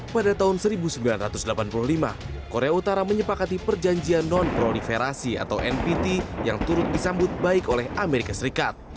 pada tahun seribu sembilan ratus delapan puluh lima korea utara menyepakati perjanjian non proliferasi atau npt yang turut disambut baik oleh amerika serikat